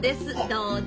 どうぞ。